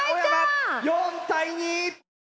４対２！